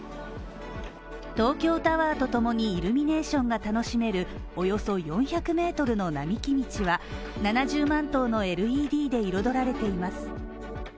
東京タワーと共にイルミネーションが楽しめる、およそ４００ｍの並木道は７０万灯のＬＥＤで彩られています。